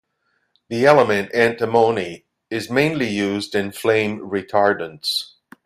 The element antimony is mainly used in flame retardants.